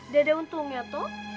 dada untungnya toh